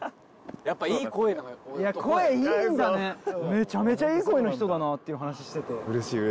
めちゃめちゃいい声の人だなって話してて。